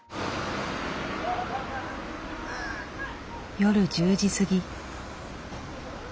夜１０時過ぎ。